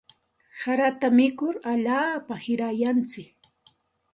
Harata mikur alaapa wirayantsik.